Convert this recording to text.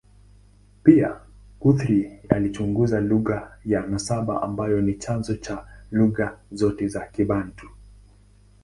Pia, Guthrie alichunguza lugha ya nasaba ambayo ni chanzo cha lugha zote za Kibantu.